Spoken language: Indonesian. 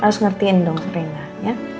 harus ngertiin dong rina ya